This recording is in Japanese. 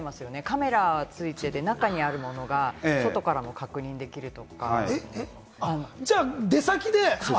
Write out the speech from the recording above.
カメラがついていて、中にあるものは外からも確認できるとか。